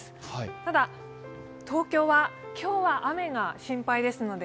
ただ、東京は今日は雨が心配ですので×。